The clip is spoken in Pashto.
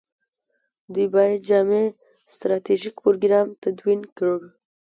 دوی باید جامع ستراتیژیک پروګرام تدوین کړي.